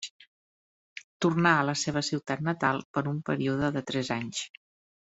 Tornà a la seva ciutat natal per un període de tres anys.